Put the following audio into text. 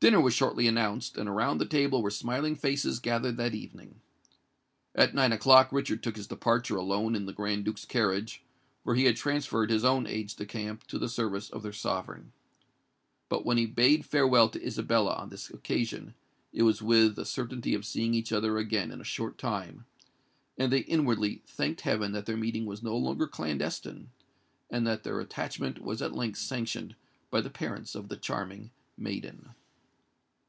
Dinner was shortly announced; and around the table were smiling faces gathered that evening. At nine o'clock Richard took his departure alone in the Grand Duke's carriage; for he had transferred his own aides de camp to the service of their sovereign. But when he bade farewell to Isabella on this occasion, it was with the certainty of seeing each other again in a short time; and they inwardly thanked heaven that their meeting was no longer clandestine, and that their attachment was at length sanctioned by the parents of the charming maiden.